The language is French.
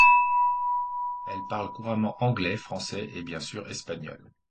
Elle parle couramment anglais, français et bien sûr espagnol.